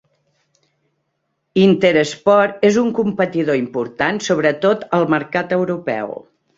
Intersport és un competidor important sobre tot al mercat europeu.